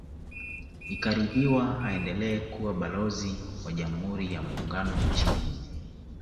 Ikaridhiwa aendelee kuwa Balozi wa Jamhuri ya Muungano nchini humo